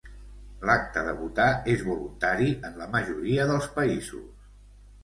L'acte de votar és voluntari en la majoria dels països.